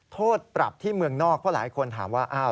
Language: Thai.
โทษปรับที่เมืองนอกเพราะหลายคนถามว่า